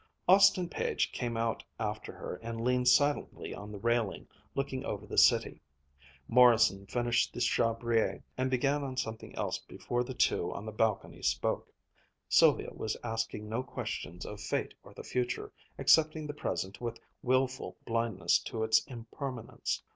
Austin Page came out after her and leaned silently on the railing, looking over the city. Morrison finished the Chabrier and began on something else before the two on the balcony spoke. Sylvia was asking no questions of fate or the future, accepting the present with wilful blindness to its impermanence.